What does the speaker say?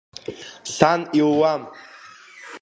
Сан илуам.